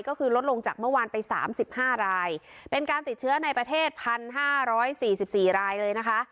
ก็คือลดลงจากเมื่อวานไปสามสิบห้ารายเป็นการติดเชื้อในประเทศพันห้าร้อยสี่สิบสี่รายเลยนะคะ